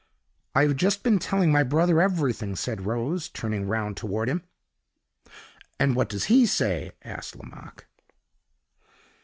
"I have just been telling my brother every thing," said Rose, turning round toward him. "And what does he say?" asked Lomaque.